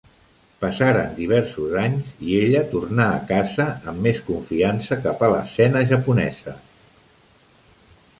Passaren diversos anys, i ella tornà a casa, amb més confiança cap a l'escena japonesa.